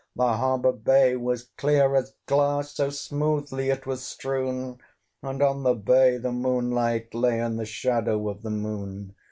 The harbour bay was clear as glass, So smoothly it was strewn! And on the bay the moonlight lay, And the shadow of the moon.